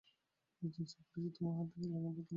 একজন চাকর এসে আমার হাত থেকে লাগামটা তুলে নিল।